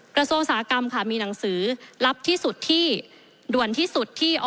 กระทรวงอุตสาหกรรมค่ะมีหนังสือลับที่สุดที่ด่วนที่สุดที่